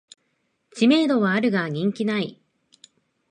知名度はあるが人気ない